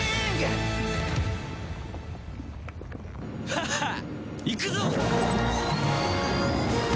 ハハッ！いくぞ！